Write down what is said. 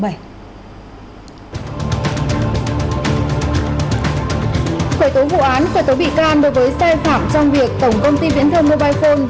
khởi tố vụ án khởi tố bị can đối với sai phạm trong việc tổng công ty viễn thông mobile phone